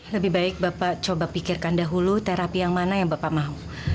lebih baik bapak coba pikirkan dahulu terapi yang mana yang bapak mau